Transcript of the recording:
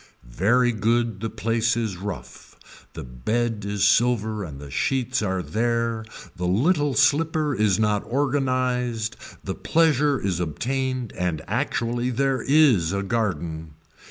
Very good the place is rough, the bed is silver and the sheets are there, the little slipper is not organized, the pleasure is obtained and actually there is a garden.